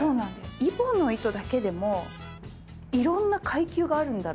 揖保乃糸だけでもいろんな階級があるんだなって。